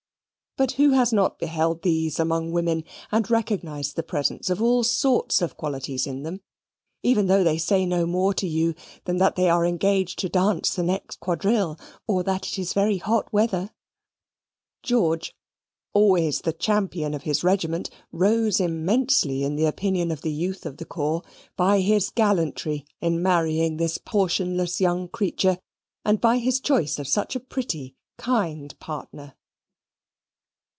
But who has not beheld these among women, and recognised the presence of all sorts of qualities in them, even though they say no more to you than that they are engaged to dance the next quadrille, or that it is very hot weather? George, always the champion of his regiment, rose immensely in the opinion of the youth of the corps, by his gallantry in marrying this portionless young creature, and by his choice of such a pretty kind partner.